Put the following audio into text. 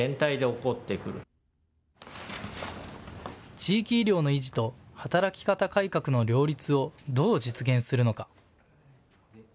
地域医療の維持と働き方改革の両立をどう実現するのか。